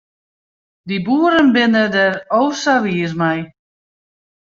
Dy boeren binne der o sa wiis mei.